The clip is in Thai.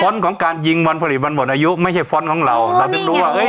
ของการยิงวันผลิตวันหมดอายุไม่ใช่ฟ้อนต์ของเราเราถึงรู้ว่าเอ้ย